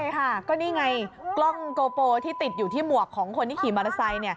ใช่ค่ะก็นี่ไงเกริ่นใดมีโอปโกรที่ติดอยู่ที่บอกของคนที่ขี่มอเตอร์ไซต์